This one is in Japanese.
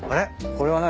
これは何？